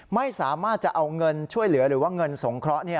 ไม่สามารถจะเอาเงินช่วยเหลือหรือว่าเงินสงเคราะห์